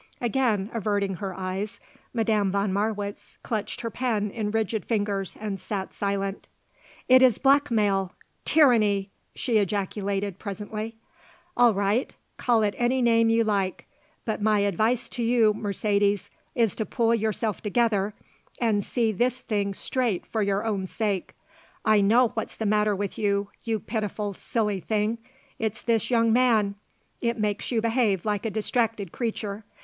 Again averting her eyes, Madame von Marwitz clutched her pen in rigid fingers and sat silent. "It is blackmail! Tyranny!" she ejaculated presently. "All right. Call it any name you like. But my advice to you, Mercedes, is to pull yourself together and see this thing straight for your own sake. I know what's the matter with you, you pitiful, silly thing; it's this young man; it makes you behave like a distracted creature.